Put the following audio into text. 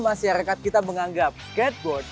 masyarakat kita menganggap skateboard